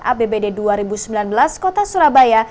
apbd dua ribu sembilan belas kota surabaya